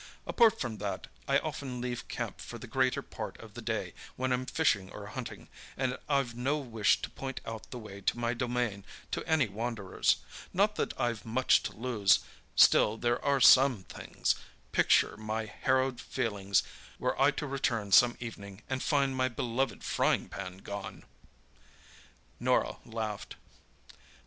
Apart from that, I often leave camp for the greater part of the day when I'm fishing or hunting, and I've no wish to point out the way to my domain to any wanderers. Not that I've much to lose, still there are some things. Picture my harrowed feelings were I to return some evening and find my beloved frying pan gone!" Norah laughed.